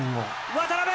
渡邊！